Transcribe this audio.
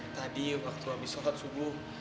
tadi waktu habis makan subuh